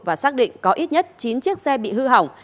và xác định có ít nhất chín chiếc xe bị hư hỏng